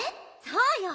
そうよ